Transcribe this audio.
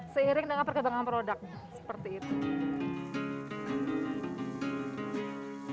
seiring dengan perkembangan produk seperti itu